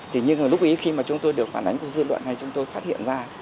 thì nhưng lúc ý khi mà chúng tôi được phản ánh của dư luận hay chúng tôi phát hiện ra